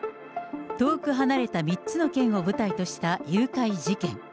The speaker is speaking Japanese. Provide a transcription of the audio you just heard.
遠く離れた３つの県を舞台とした誘拐事件。